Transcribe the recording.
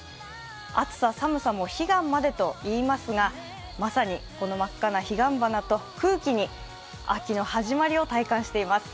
暑さ寒さも彼岸までと言いますが、まさにこの真っ赤な彼岸花と空気に秋の始まり体感しています。